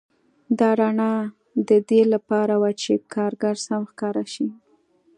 دا رڼا د دې لپاره وه چې کارګر سم ښکاره شي